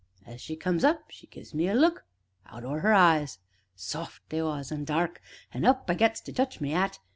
As she comes up she gives me a look out o' 'er eyes, soft they was, an' dark, an' up I gets to touch my 'at.